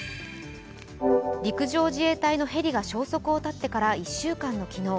陸上自衛隊のヘリが消息を絶ってから１週間の昨日。